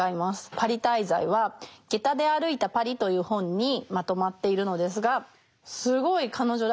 パリ滞在は「下駄で歩いた巴里」という本にまとまっているのですがすごい彼女らしさ